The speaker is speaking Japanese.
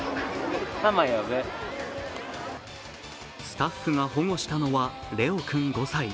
スタッフが保護したのはれお君５歳。